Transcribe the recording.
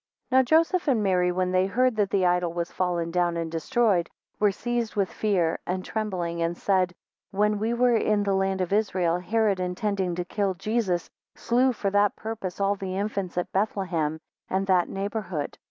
NOW Joseph and Mary when they heard that the idol was fallen down and destroyed, were seized with fear and, trembling, and said, When we Were in the land of Israel, Herod, intending to kill Jesus, slew for that purpose all the infants at Bethlehem, and that neighbourhood.